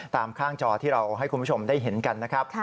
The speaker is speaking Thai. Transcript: ตามข้างจอที่เราให้คุณผู้ชมได้เห็นกันนะครับ